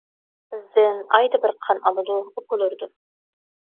بىزدىن ئايدا بىر قان ئالىدۇ، ئوكۇل ئۇرىدۇ.